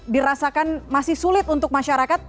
dirasakan masih sulit untuk masyarakat